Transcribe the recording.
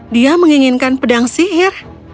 dia menginginkan pedang sihir